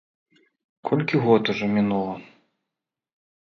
Колькі год ужо мінула.